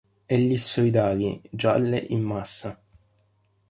Ellissoidali, gialle in massa.